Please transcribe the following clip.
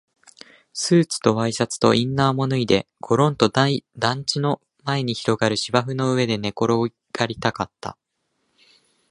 スーツとワイシャツとインナーも脱いで、ごろんと団地の前に広がる芝生の上に寝転がりたかった